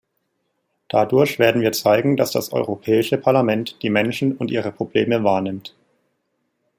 Dadurch werden wir zeigen, dass das Europäische Parlament die Menschen und ihre Probleme wahrnimmt.